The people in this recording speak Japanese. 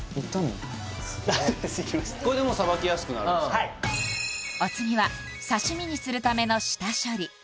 はいお次は刺身にするための下処理